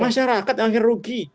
masyarakat yang akhirnya rugi